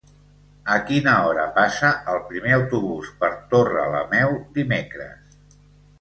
A quina hora passa el primer autobús per Torrelameu dimecres?